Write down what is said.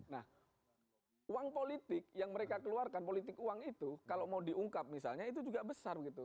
nah uang politik yang mereka keluarkan politik uang itu kalau mau diungkap misalnya itu juga besar gitu